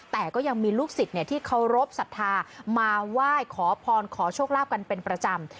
แต่ก็ยังมีลูกศิษย์ที่เคารพสัทธามาไหว้ขอพรขอโชคลาภกันเป็นประจำ